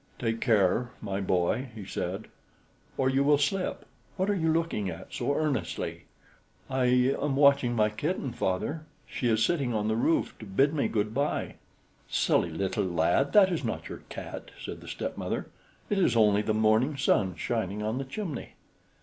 "Take care, my boy," he said, "or you will slip. What are you looking at so earnestly?" "I am watching my kitten, father: she is sitting on the roof to bid me good by." "Silly little lad, that is not your cat," said the stepmother; "it is only the morning sun shining on the chimney."